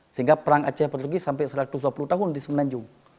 sehingga perang aceh pergi sampai satu ratus dua puluh tahun di semenanjung